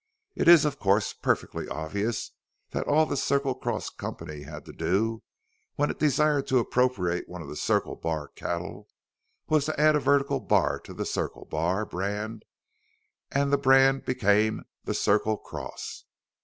It is of course, perfectly obvious that all the Circle Cross company had to do when it desired to appropriate one of the Circle Bar cattle was to add a vertical bar to the Circle Bar brand and the brand became the Circle Cross.